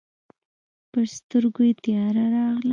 پر سترګو يې تياره راغله.